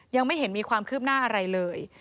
ยังไม่เห็นมีความคืบหน้าอะไรเลย